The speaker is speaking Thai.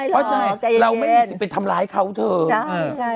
เพราะฉะนั้นเราไม่มีสิ่งไปทำร้ายเขาเถอะ